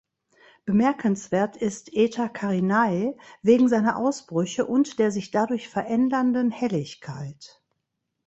Bemerkenswert ist Eta Carinae wegen seiner Ausbrüche und der sich dadurch verändernden Helligkeit.